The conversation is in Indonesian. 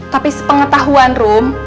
tapi sepengetahuan rum